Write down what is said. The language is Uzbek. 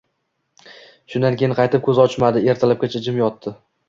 Shundan keyin qaytib ko‘z ochmadi, ertalabgacha jim yotdi